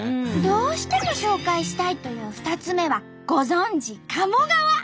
どうしても紹介したいという２つ目はご存じ鴨川！